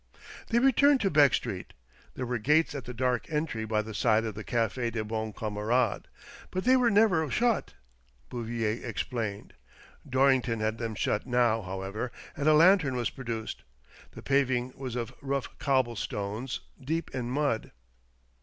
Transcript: They returned to Beck Street. There were gates at the dark entry by the side of the Cafe des Bons Camarades, but they were never shut, Bouvier explained, Dorrington had them shut now, however, and a lantern was produced. The paving was of rough cobble stones, deep in mud.